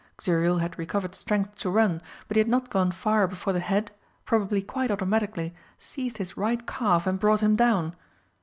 Xuriel had recovered strength to run, but he had not gone far before the head, probably quite automatically, seized his right calf and brought him down.